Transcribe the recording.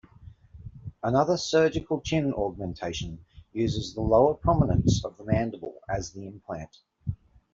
Another surgical chin augmentation uses the lower prominence of the mandible as the implant.